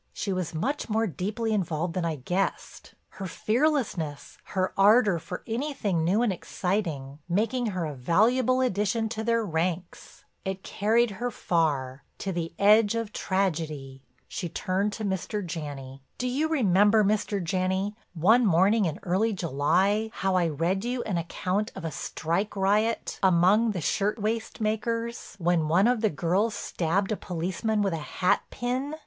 She was much more deeply involved than I guessed. Her fearlessness, her ardor for anything new and exciting, making her a valuable addition to their ranks. It carried her far, to the edge of tragedy." She turned to Mr. Janney: "Do you remember, Mr. Janney, one morning early in July, how I read you an account of a strike riot among the shirtwaist makers when one of the girls stabbed a policeman with a hatpin?"